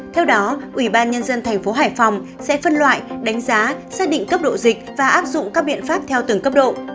theo đó ủy ban nhân dân thành phố hải phòng sẽ phân loại đánh giá xác định cấp độ dịch và áp dụng các biện pháp theo từng cấp độ